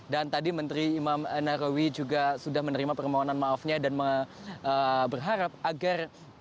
dan tadi menteri imam narowi juga sudah menerima permohonan maafnya dan berharap agar insiden ini bisa dikembangkan